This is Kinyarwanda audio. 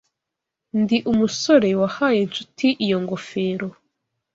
Ndi umusore wahaye Nshuti iyo ngofero.